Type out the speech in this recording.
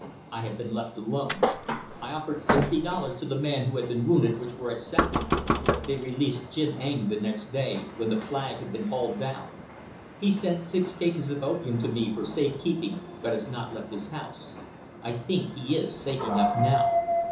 I have been left alone. I offered sixty dollars to the man who had been wounded, which were accepted. They released Jim Eng the next day, when the flag had been hauled down. He sent six cases of opium to me for safe keeping but has not left his house. I think he is safe enough now.